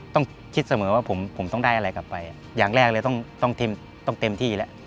ต้องคิดเสมอว่าผมต้องได้อะไรกลับไปอย่างแรกเลยต้องเต็มที่แล้ว